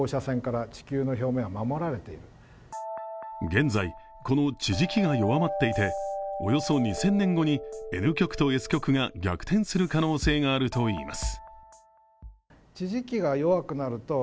現在、この地磁気が弱まっていておよそ２０００年後にＮ極とＳ極が逆転する可能性があるといいます。